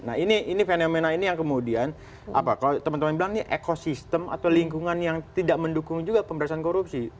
nah ini fenomena ini yang kemudian kalau teman teman bilang ini ekosistem atau lingkungan yang tidak mendukung juga pemberantasan korupsi